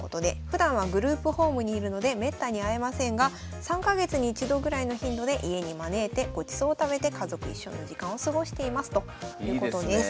ふだんはグループホームにいるのでめったに会えませんが３か月に１度ぐらいの頻度で家に招いてごちそうを食べて家族一緒の時間を過ごしていますということです。